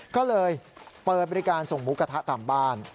ก็เลยเปิดบริการส่งหมูกระทะตามบ้าน